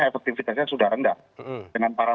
efektivitasnya sudah rendah dengan para